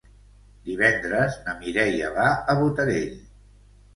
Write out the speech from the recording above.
Divendres na Mireia va a Botarell.